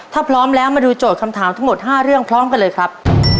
ถ้าพร้อมแล้วมาดูโจทย์คำถามทั้งหมด๕เรื่องพร้อมกันเลยครับ